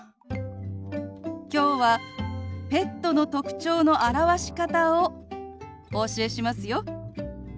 きょうはペットの特徴の表し方をお教えしますよ。